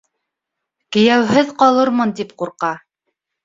Кейәүһеҙ ҡалырмын тип ҡурҡа.